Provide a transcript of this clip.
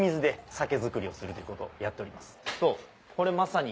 そうこれまさに。